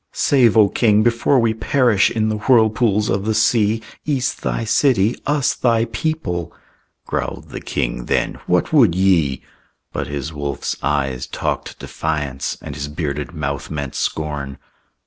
"Save, O king, before we perish In the whirlpools of the sea, Ys thy city, us thy people!" Growled the king then, "What would ye?" But his wolf's eyes talked defiance, And his bearded mouth meant scorn.